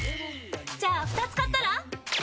じゃあ２つ買ったら？